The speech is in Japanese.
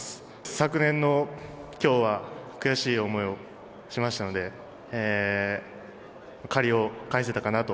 昨年のきょうは悔しい思いをしましたので、借りを返せたかなと。